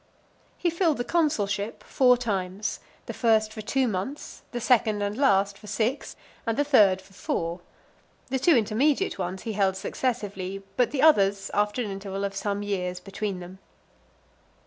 XIV. He filled the consulship four times : the first for two months, the second and last for six, and the third for four; the two intermediate ones he held successively, but the others after an interval of some years between them.